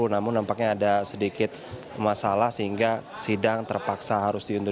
namun nampaknya ada sedikit masalah sehingga sidang terpaksa harus diunduh